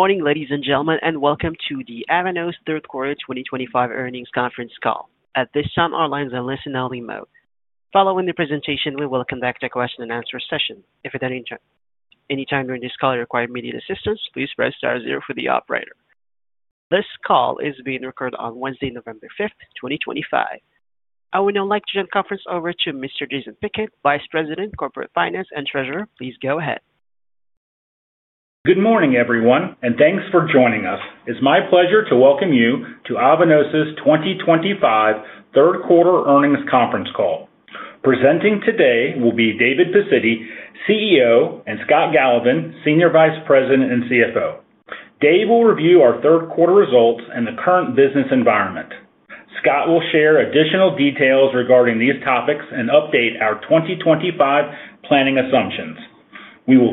Good morning, ladies and gentlemen, and welcome to the Avanos third quarter 2025 earnings conference call. At this time, our lines are listen-only mode. Following the presentation, we will conduct a question-and-answer session. If at any time during this call you require immediate assistance, please press star zero for the operator. This call is being recorded on Wednesday, November 5th, 2025. I would now like to turn the conference over to Mr. Jason Pickett, Vice President, Corporate Finance and Treasurer. Please go ahead. Good morning, everyone, and thanks for joining us. It's my pleasure to welcome you to Avanos' 2025 third quarter earnings conference call. Presenting today will be David Pacitti, CEO, and Scott Galovan, Senior Vice President and CFO. Dave will review our third quarter results and the current business environment. Scott will share additional details regarding these topics and update our 2025 planning assumptions. We will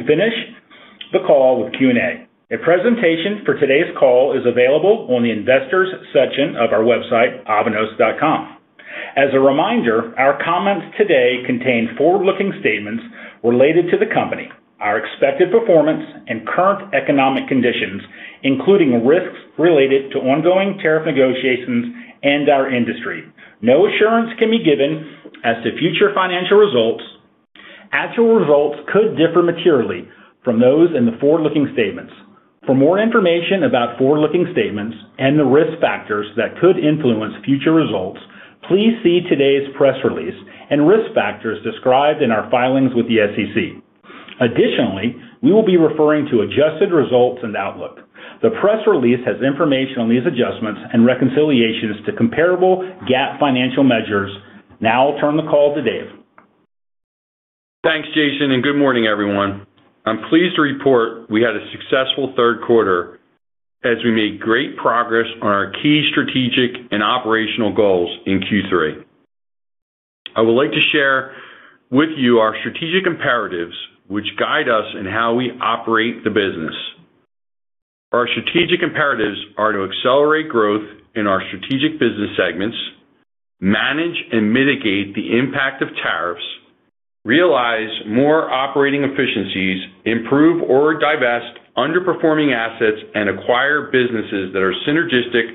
finish the call with Q&A. A presentation for today's call is available on the Investors section of our website, avanos.com. As a reminder, our comments today contain forward-looking statements related to the company, our expected performance, and current economic conditions, including risks related to ongoing tariff negotiations and our industry. No assurance can be given as to future financial results. Actual results could differ materially from those in the forward-looking statements. For more information about forward-looking statements and the risk factors that could influence future results, please see today's press release and risk factors described in our filings with the SEC. Additionally, we will be referring to adjusted results and outlook. The press release has information on these adjustments and reconciliations to comparable GAAP financial measures. Now I'll turn the call to Dave. Thanks, Jason, and good morning, everyone. I'm pleased to report we had a successful third quarter as we made great progress on our key strategic and operational goals in Q3. I would like to share with you our strategic imperatives, which guide us in how we operate the business. Our strategic imperatives are to accelerate growth in our strategic business segments, manage and mitigate the impact of tariffs, realize more operating efficiencies, improve or divest underperforming assets, and acquire businesses that are synergistic.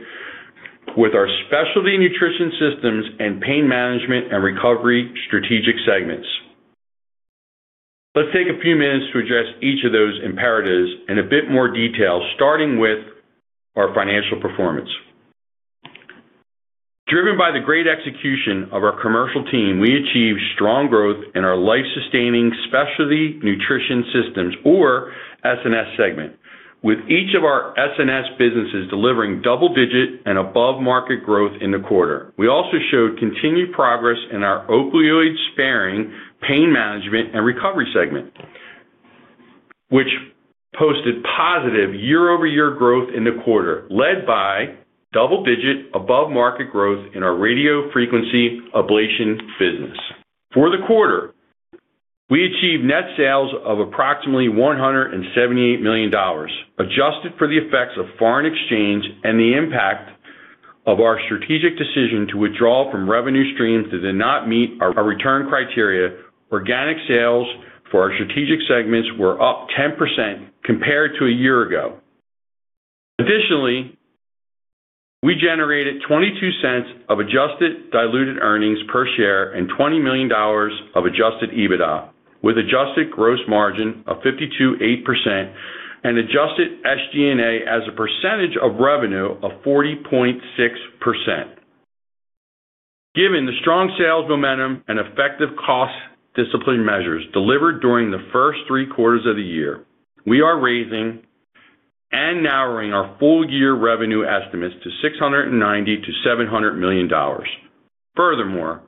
With our Specialty Nutrition Systems and Pain Management and Recovery strategic segments. Let's take a few minutes to address each of those imperatives in a bit more detail, starting with our financial performance. Driven by the great execution of our commercial team, we achieved strong growth in our life-sustaining Specialty Nutrition Systems, or SNS segment, with each of our SNS businesses delivering double-digit and above-market growth in the quarter. We also showed continued progress in our opioid-sparing Pain Management and Recovery segment, which posted positive year-over-year growth in the quarter, led by double-digit above-market growth in our radio frequency ablation business. For the quarter, we achieved net sales of approximately $178 million, adjusted for the effects of foreign exchange and the impact of our strategic decision to withdraw from revenue streams that did not meet our return criteria. Organic sales for our strategic segments were up 10% compared to a year ago. Additionally. We generated $0.22 of adjusted diluted earnings per share and $20 million of adjusted EBITDA, with adjusted gross margin of 52.8% and adjusted SG&A as a percentage of revenue of 40.6%. Given the strong sales momentum and effective cost-discipline measures delivered during the first three quarters of the year, we are raising and narrowing our full-year revenue estimates to $690-$700 million. Furthermore,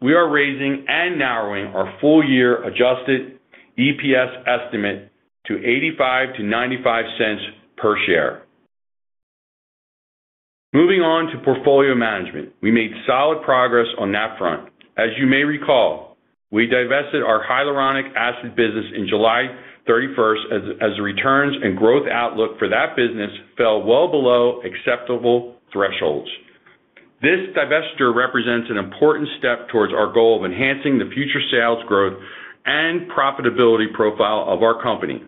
we are raising and narrowing our full-year adjusted EPS estimate to $0.85-$0.95 per share. Moving on to portfolio management, we made solid progress on that front. As you may recall, we divested our Hyaluronic Acid business on July 31 as the returns and growth outlook for that business fell well below acceptable thresholds. This divestiture represents an important step towards our goal of enhancing the future sales growth and profitability profile of our company.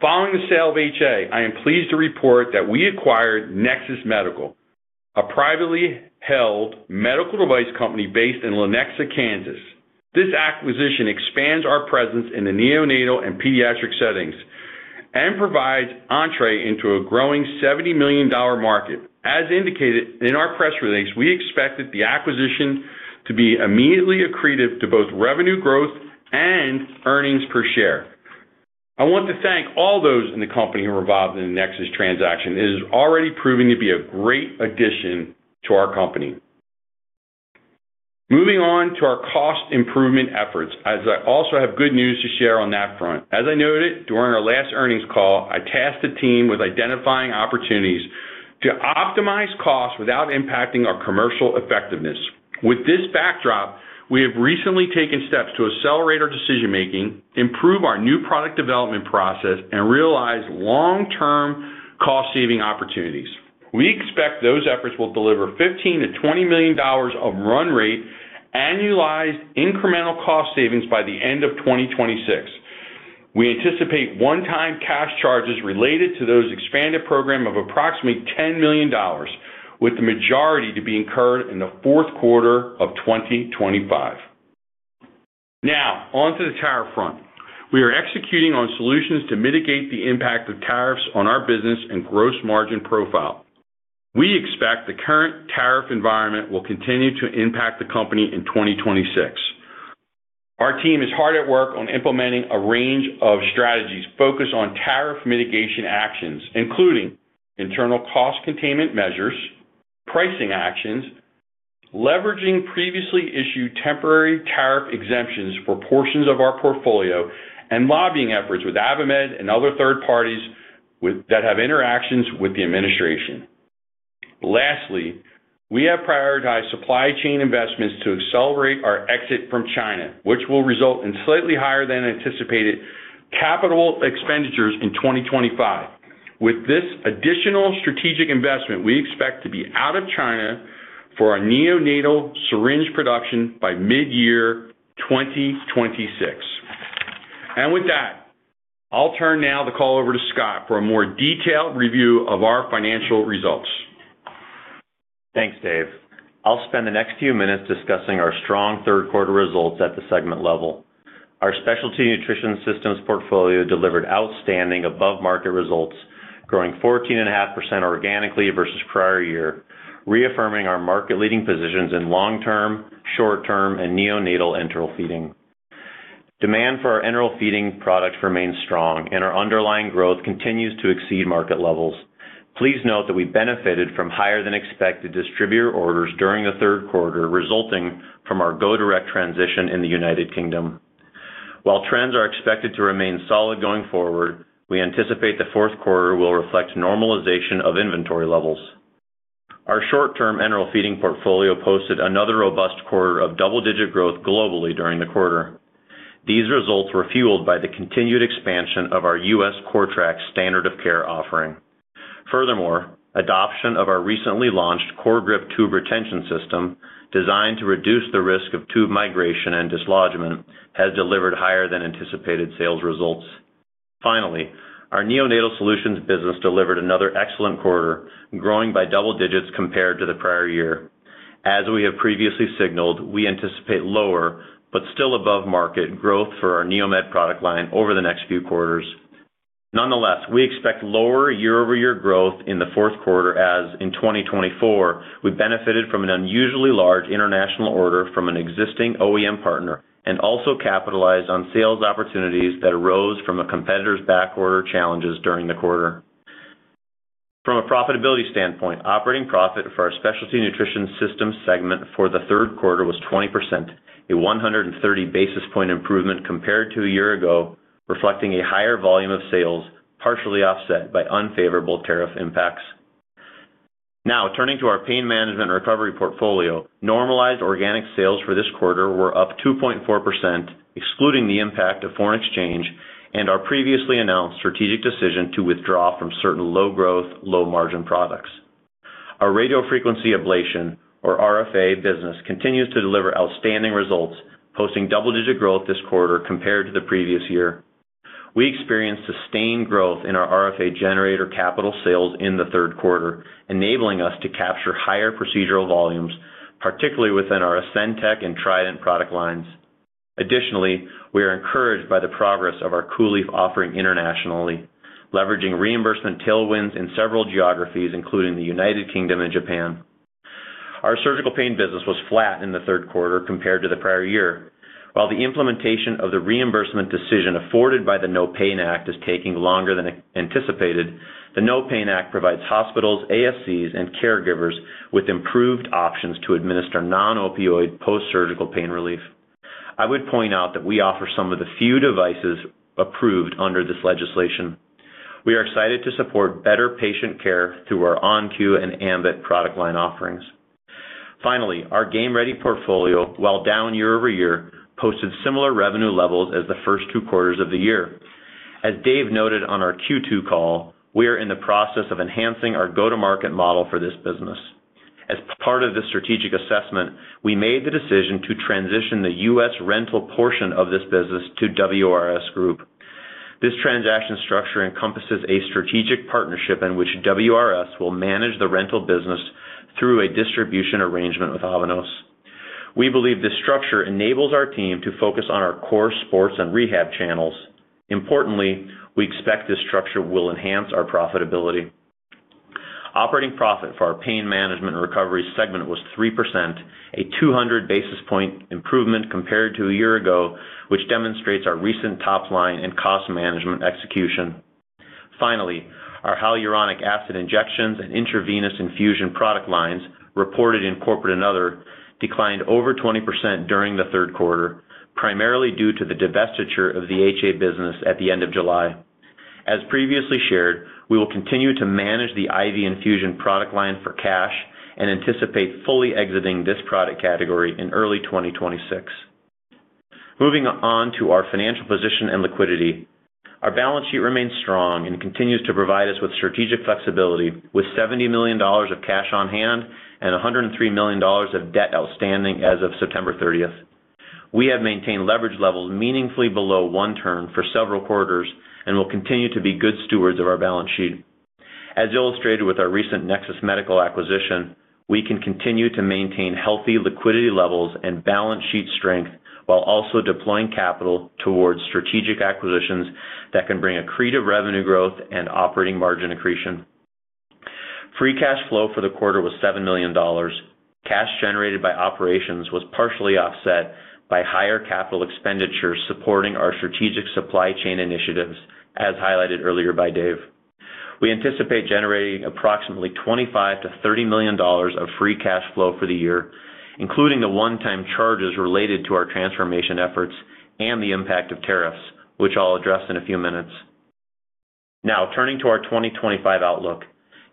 Following the sale of HA, I am pleased to report that we acquired Nexus Medical, a privately held medical device company based in Lenexa, Kansas. This acquisition expands our presence in the neonatal and pediatric settings and provides entrée into a growing $70 million market. As indicated in our press release, we expected the acquisition to be immediately accretive to both revenue growth and earnings per share. I want to thank all those in the company who are involved in the Nexus transaction. It is already proving to be a great addition to our company. Moving on to our cost improvement efforts, as I also have good news to share on that front. As I noted during our last earnings call, I tasked the team with identifying opportunities to optimize costs without impacting our commercial effectiveness. With this backdrop, we have recently taken steps to accelerate our decision-making, improve our new product development process, and realize long-term cost-saving opportunities. We expect those efforts will deliver $15-$20 million of run-rate annualized incremental cost savings by the end of 2026. We anticipate one-time cash charges related to those expanded program of approximately $10 million, with the majority to be incurred in the fourth quarter of 2025. Now, onto the tariff front. We are executing on solutions to mitigate the impact of tariffs on our business and gross margin profile. We expect the current tariff environment will continue to impact the company in 2026. Our team is hard at work on implementing a range of strategies focused on tariff mitigation actions, including. Internal cost containment measures, pricing actions, leveraging previously issued temporary tariff exemptions for portions of our portfolio, and lobbying efforts with AdvaMed and other third parties that have interactions with the administration. Lastly, we have prioritized supply chain investments to accelerate our exit from China, which will result in slightly higher-than-anticipated capital expenditures in 2025. With this additional strategic investment, we expect to be out of China for our neonatal syringe production by mid-year 2026. With that, I'll turn now the call over to Scott for a more detailed review of our financial results. Thanks, Dave. I'll spend the next few minutes discussing our strong third-quarter results at the segment level. Our Specialty Nutrition Systems portfolio delivered outstanding above-market results, growing 14.5% organically versus prior year, reaffirming our market-leading positions in long-term, short-term, and neonatal enteral feeding. Demand for our enteral feeding products remains strong, and our underlying growth continues to exceed market levels. Please note that we benefited from higher-than-expected distributor orders during the third quarter, resulting from our go direct transition in the United Kingdom. While trends are expected to remain solid going forward, we anticipate the fourth quarter will reflect normalization of inventory levels. Our short-term enteral feeding portfolio posted another robust quarter of double-digit growth globally during the quarter. These results were fueled by the continued expansion of our U.S. CORTRAK standard of care offering. Furthermore, adoption of our recently launched CORGRIP tube retention system, designed to reduce the risk of tube migration and dislodgement, has delivered higher-than-anticipated sales results. Finally, our neonatal solutions business delivered another excellent quarter, growing by double digits compared to the prior year. As we have previously signaled, we anticipate lower but still above-market growth for our NeoMed product line over the next few quarters. Nonetheless, we expect lower year-over-year growth in the fourth quarter as, in 2024, we benefited from an unusually large international order from an existing OEM partner and also capitalized on sales opportunities that arose from a competitor's backorder challenges during the quarter. From a profitability standpoint, operating profit for our Specialty Nutrition Systems segment for the third quarter was 20%, a 130 basis point improvement compared to a year ago, reflecting a higher volume of sales, partially offset by unfavorable tariff impacts. Now, turning to our pain management and recovery portfolio, normalized organic sales for this quarter were up 2.4%, excluding the impact of foreign exchange and our previously announced strategic decision to withdraw from certain low-growth, low-margin products. Our radio frequency ablation, or RFA, business continues to deliver outstanding results, posting double-digit growth this quarter compared to the previous year. We experienced sustained growth in our RFA generator capital sales in the third quarter, enabling us to capture higher procedural volumes, particularly within our ESENTEC and TRIDENT product lines. Additionally, we are encouraged by the progress of our COOLIEF offering internationally, leveraging reimbursement tailwinds in several geographies, including the United Kingdom and Japan. Our surgical pain business was flat in the third quarter compared to the prior year. While the implementation of the reimbursement decision afforded by the NOPAIN Act is taking longer than anticipated, the NOPAIN Act provides hospitals, ASCs, and caregivers with improved options to administer non-opioid post-surgical pain relief. I would point out that we offer some of the few devices approved under this legislation. We are excited to support better patient care through our ON-Q and ambIT product line offerings. Finally, our Game Ready portfolio, while down year-over-year, posted similar revenue levels as the first two quarters of the year. As Dave noted on our Q2 call, we are in the process of enhancing our go-to-market model for this business. As part of this strategic assessment, we made the decision to transition the U.S. rental portion of this business to WRS Group. This transaction structure encompasses a strategic partnership in which WRS will manage the rental business through a distribution arrangement with Avanos. We believe this structure enables our team to focus on our core sports and rehab channels. Importantly, we expect this structure will enhance our profitability. Operating profit for our Pain Management and Recovery segment was 3%, a 200 basis point improvement compared to a year ago, which demonstrates our recent top line and cost management execution. Finally, our hyaluronic acid injections and intravenous infusion product lines, reported in corporate and other, declined over 20% during the third quarter, primarily due to the divestiture of the HA business at the end of July. As previously shared, we will continue to manage the IV infusion product line for cash and anticipate fully exiting this product category in early 2026. Moving on to our financial position and liquidity. Our balance sheet remains strong and continues to provide us with strategic flexibility, with $70 million of cash on hand and $103 million of debt outstanding as of September 30th. We have maintained leverage levels meaningfully below one turn for several quarters and will continue to be good stewards of our balance sheet. As illustrated with our recent Nexus Medical acquisition, we can continue to maintain healthy liquidity levels and balance sheet strength while also deploying capital towards strategic acquisitions that can bring accretive revenue growth and operating margin accretion. Free cash flow for the quarter was $7 million. Cash generated by operations was partially offset by higher capital expenditures supporting our strategic supply chain initiatives, as highlighted earlier by Dave. We anticipate generating approximately $25 million-$30 million of free cash flow for the year, including the one-time charges related to our transformation efforts and the impact of tariffs, which I'll address in a few minutes. Now, turning to our 2025 outlook,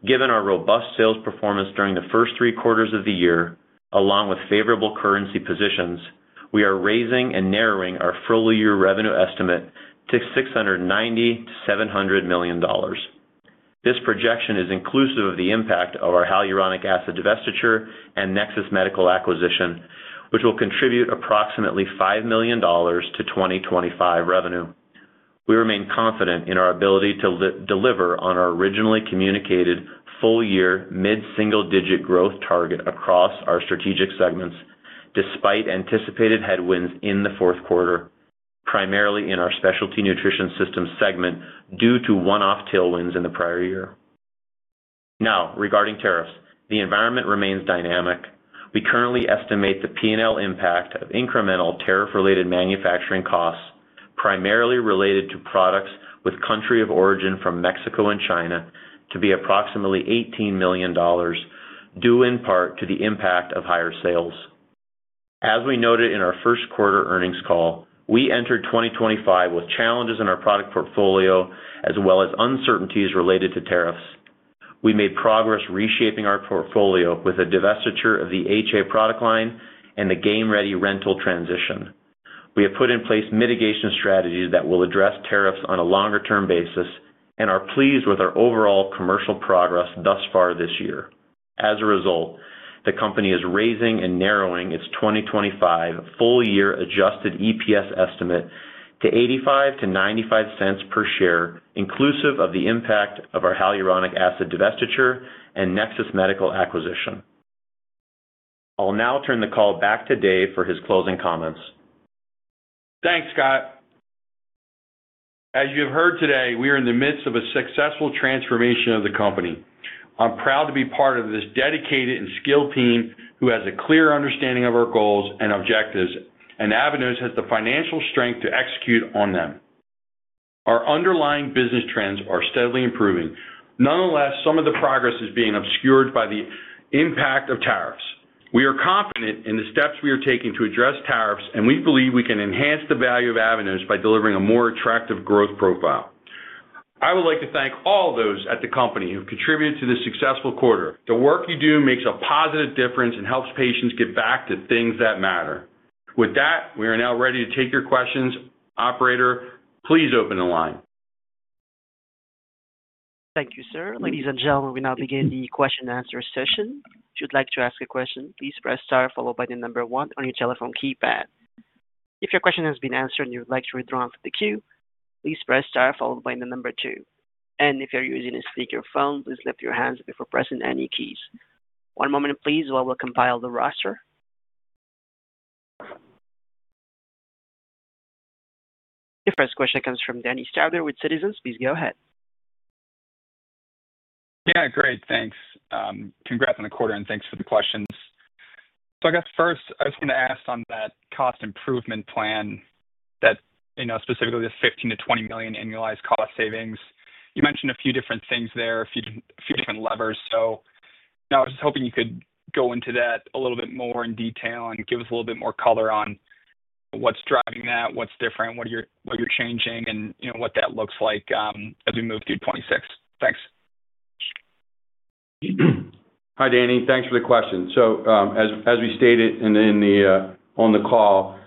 given our robust sales performance during the first three quarters of the year, along with favorable currency positions, we are raising and narrowing our full-year revenue estimate to $690 million-$700 million. This projection is inclusive of the impact of our Hyaluronic Acid divestiture and Nexus Medical acquisition, which will contribute approximately $5 million to 2025 revenue. We remain confident in our ability to deliver on our originally communicated full-year mid-single-digit growth target across our strategic segments, despite anticipated headwinds in the fourth quarter, primarily in our Specialty Nutrition Systems segment due to one-off tailwinds in the prior year. Now, regarding tariffs, the environment remains dynamic. We currently estimate the P&L impact of incremental tariff-related manufacturing costs, primarily related to products with country of origin from Mexico and China, to be approximately $18 million. Due in part to the impact of higher sales. As we noted in our first quarter earnings call, we entered 2025 with challenges in our product portfolio as well as uncertainties related to tariffs. We made progress reshaping our portfolio with a divestiture of the HA product line and the Game Ready rental transition. We have put in place mitigation strategies that will address tariffs on a longer-term basis and are pleased with our overall commercial progress thus far this year. As a result, the company is raising and narrowing its 2025 full-year adjusted EPS estimate to $0.85-$0.95 per share, inclusive of the impact of our Hyaluronic Acid divestiture and Nexus Medical acquisition. I'll now turn the call back to Dave for his closing comments. Thanks, Scott. As you have heard today, we are in the midst of a successful transformation of the company. I'm proud to be part of this dedicated and skilled team who has a clear understanding of our goals and objectives and Avanos has the financial strength to execute on them. Our underlying business trends are steadily improving. Nonetheless, some of the progress is being obscured by the impact of tariffs. We are confident in the steps we are taking to address tariffs, and we believe we can enhance the value of Avanos by delivering a more attractive growth profile. I would like to thank all those at the company who contributed to this successful quarter. The work you do makes a positive difference and helps patients get back to things that matter. With that, we are now ready to take your questions. Operator, please open the line. Thank you, sir. Ladies and gentlemen, we now begin the question-and-answer session. If you'd like to ask a question, please press star followed by the number one on your telephone keypad. If your question has been answered and you'd like to withdraw from the queue, please press star followed by the number two. If you're using a speakerphone, please lift your hands before pressing any keys. One moment, please, while we compile the roster. The first question comes from Danny Stauder with Citizens. Please go ahead. Yeah, great. Thanks. Congrats on the quarter and thanks for the questions. I guess first, I was going to ask on that cost improvement plan. Specifically this $15 million-$20 million annualized cost savings. You mentioned a few different things there, a few different levers. I was just hoping you could go into that a little bit more in detail and give us a little bit more color on what's driving that, what's different, what you're changing, and what that looks like as we move through 2026. Thanks. Hi, Danny. Thanks for the question. As we stated on the call,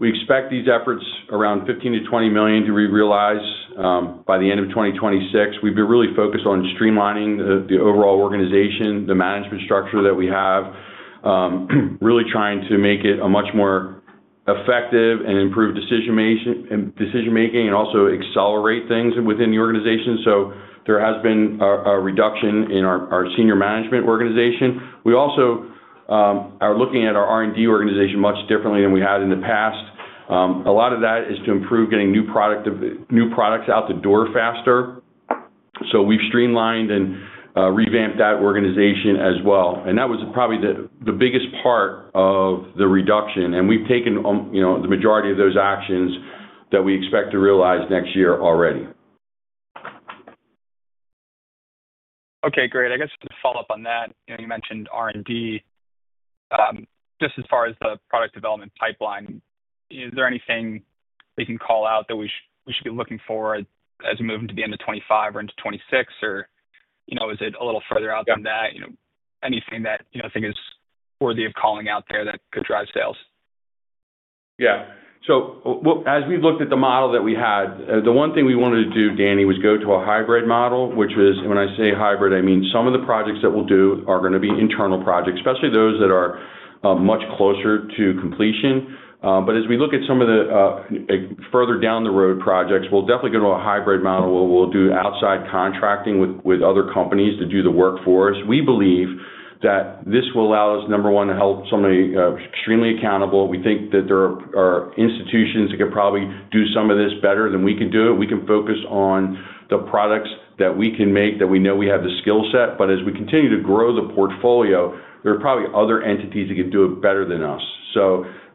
we expect these efforts around $15 million-$20 million to be realized by the end of 2026. We've been really focused on streamlining the overall organization, the management structure that we have, really trying to make it a much more effective and improved decision-making and also accelerate things within the organization. There has been a reduction in our senior management organization. We also are looking at our R&D organization much differently than we had in the past. A lot of that is to improve getting new products out the door faster. We've streamlined and revamped that organization as well. That was probably the biggest part of the reduction. We've taken the majority of those actions that we expect to realize next year already. Okay, great. I guess to follow up on that, you mentioned R&D. Just as far as the product development pipeline, is there anything we can call out that we should be looking for as we move into the end of 2025 or into 2026, or is it a little further out than that? Anything that I think is worthy of calling out there that could drive sales? Yeah. As we looked at the model that we had, the one thing we wanted to do, Danny, was go to a hybrid model, which is, when I say hybrid, I mean some of the projects that we'll do are going to be internal projects, especially those that are much closer to completion. As we look at some of the further down the road projects, we'll definitely go to a hybrid model where we'll do outside contracting with other companies to do the work for us. We believe that this will allow us, number one, to help somebody extremely accountable. We think that there are institutions that could probably do some of this better than we can do it. We can focus on the products that we can make that we know we have the skill set. As we continue to grow the portfolio, there are probably other entities that can do it better than us.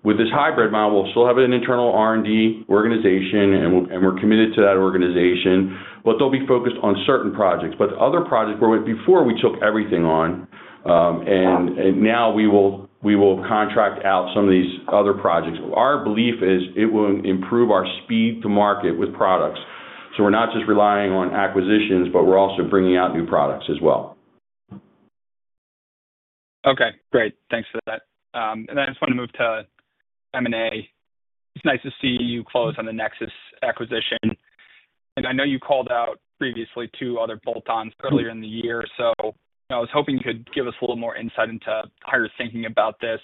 With this hybrid model, we'll still have an internal R&D organization, and we're committed to that organization, but they'll be focused on certain projects. The other projects were before we took everything on. Now we will contract out some of these other projects. Our belief is it will improve our speed to market with products. We're not just relying on acquisitions, but we're also bringing out new products as well. Okay, great. Thanks for that. I just want to move to M&A. It's nice to see you close on the Nexus acquisition. I know you called out previously two other bolt-ons earlier in the year. I was hoping you could give us a little more insight into how you're thinking about this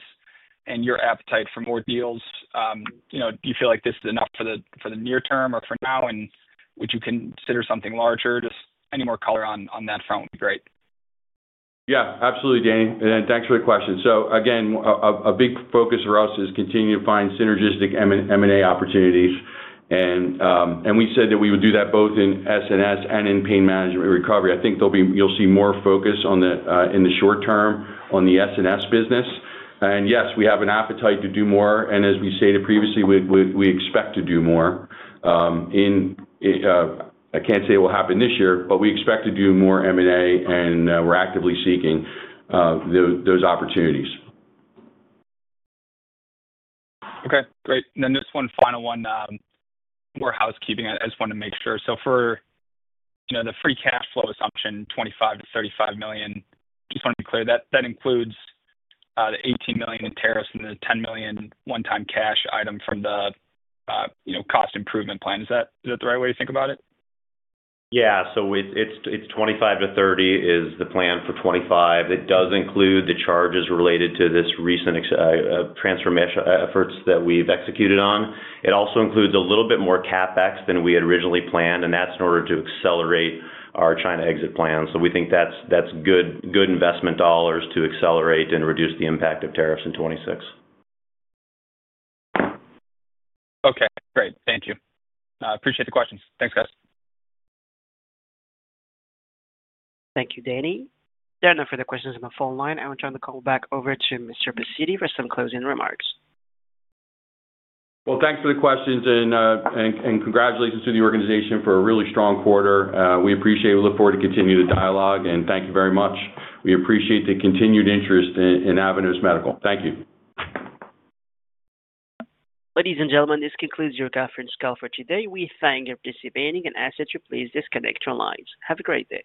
and your appetite for more deals. Do you feel like this is enough for the near term or for now? Would you consider something larger? Any more color on that front would be great. Yeah, absolutely, Danny. Thanks for the question. Again, a big focus for us is continuing to find synergistic M&A opportunities. We said that we would do that both in SNS and in pain management recovery. I think you'll see more focus in the short term on the SNS business. Yes, we have an appetite to do more. As we stated previously, we expect to do more. I can't say it will happen this year, but we expect to do more M&A, and we're actively seeking those opportunities. Okay, great. Just one final one. More housekeeping, I just want to make sure. For the free cash flow assumption, $25 million-$35 million, just want to be clear, that includes the $18 million in tariffs and the $10 million one-time cash item from the cost improvement plan. Is that the right way to think about it? Yeah. So it is $25 million-$30 million is the plan for 2025. It does include the charges related to this recent transformation efforts that we have executed on. It also includes a little bit more CapEx than we had originally planned, and that is in order to accelerate our China exit plan. We think that is good investment dollars to accelerate and reduce the impact of tariffs in 2026. Okay, great. Thank you. Appreciate the questions. Thanks, guys. Thank you, Danny. There are no further questions on the phone line. I will turn the call back over to Mr. Pacitti for some closing remarks. Thanks for the questions and congratulations to the organization for a really strong quarter. We appreciate it. We look forward to continuing the dialogue. Thank you very much. We appreciate the continued interest in Avanos Medical. Thank you. Ladies and gentlemen, this concludes your conference call for today. We thank you for participating and ask that you please disconnect your lines. Have a great day.